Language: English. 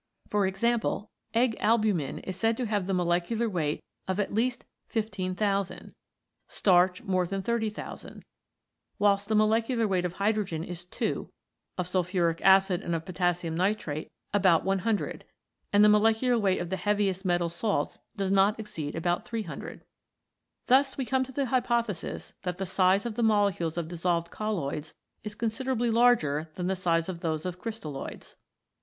For example, egg albumin is said to have the molecular weight of at least 15,000, starch more than 30,000, whilst the molecular weight of hydrogen is 2, of sulphuric acid and of potassium nitrate about 100, and the molecular weight of the heaviest metal salts does not exceed about 300. Thus we come to the hypothesis that the size of the molecules of dissolved colloids is considerably larger than the size of those of crystalloids.